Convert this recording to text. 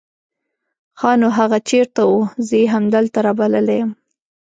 ښا نو هغه چېرته وو؟ زه يې همدلته رابللی يم.